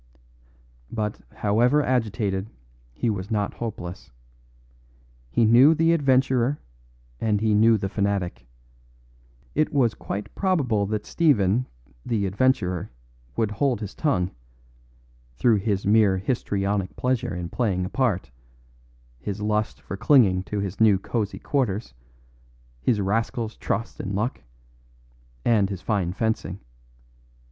"But, however agitated, he was not hopeless. He knew the adventurer and he knew the fanatic. It was quite probable that Stephen, the adventurer, would hold his tongue, through his mere histrionic pleasure in playing a part, his lust for clinging to his new cosy quarters, his rascal's trust in luck, and his fine fencing.